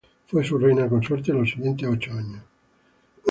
Fue su reina consorte los siguientes ocho años.